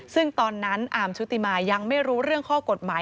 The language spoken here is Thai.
ซึ่งตอนนั้นอาร์มชุติมายังไม่รู้เรื่องข้อกฎหมาย